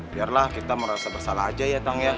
biarlah kita merasa bersalah aja ya kang ya